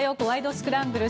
スクランブル」。